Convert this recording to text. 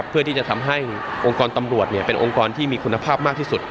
เพื่อที่จะทำให้องค์กรตำรวจเป็นองค์กรที่มีคุณภาพมากที่สุด